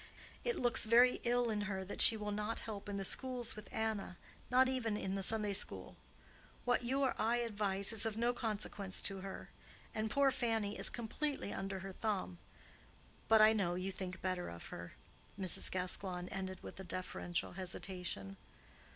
It looks very ill in her that she will not help in the schools with Anna—not even in the Sunday school. What you or I advise is of no consequence to her: and poor Fannie is completely under her thumb. But I know you think better of her," Mrs. Gascoigne ended with a deferential hesitation.